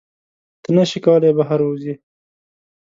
ته نشې کولی بهر ووځې.